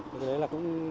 thế đấy là cũng